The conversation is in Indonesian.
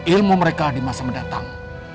ilmu mereka di masa mendatang